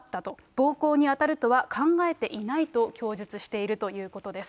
暴行に当たるとは考えていないと供述しているということです。